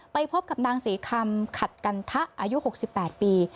ไปพบกับนางศรีคำขัดกันทะอายุ๖๘ปี